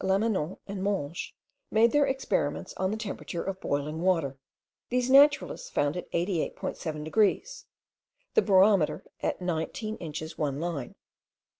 Lamanon and Monges made their experiments on the temperature of boiling water. These naturalists found it 88.7 degrees, the barometer at nineteen inches one line.